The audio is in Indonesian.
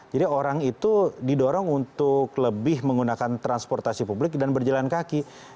jadi orang itu didorong untuk lebih menggunakan transportasi publik dan berjalan kaki